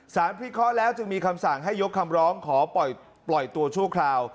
พิเคราะห์แล้วจึงมีคำสั่งให้ยกคำร้องขอปล่อยตัวชั่วคราว